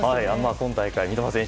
今大会、三笘選手